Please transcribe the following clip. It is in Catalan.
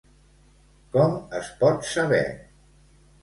Com es pot saber?